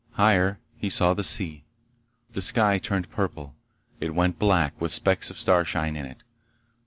Higher, he saw the sea. The sky turned purple. It went black with specks of starshine in it.